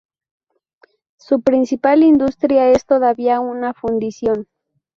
Su principal industria es todavía una fundición.